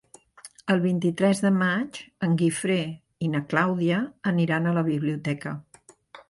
El vint-i-tres de maig en Guifré i na Clàudia aniran a la biblioteca.